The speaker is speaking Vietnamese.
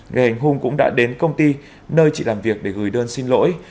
người hành hung cũng đã đến công ty nơi chị làm việc để gửi đơn xin lỗi